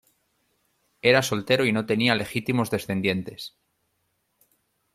Era soltero y no tenía legítimos descendientes.